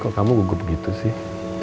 kok kamu gugup gitu sih